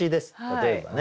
例えばね。